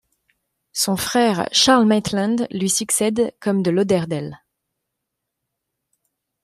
Son frère Charles Maitland lui succède comme de Lauderdale.